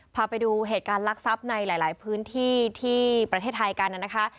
พาไปดูเหตุการณ์ลักษัพในหลายพื้นที่ที่ประเทศไทยกันนะคะ